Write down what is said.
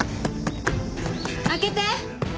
開けて！